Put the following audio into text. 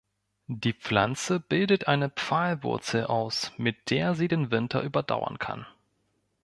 Die Pflanze bildet eine Pfahlwurzel aus, mit der sie den Winter überdauern kann.